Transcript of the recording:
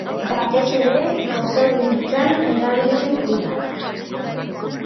Batez ere gozogintzan erabiltzen da.